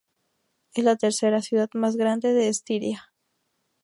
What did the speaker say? Es la tercera ciudad más grande de Estiria.